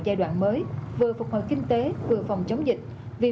gặp nhiều khó khăn dẫn đến nhiều bệnh viện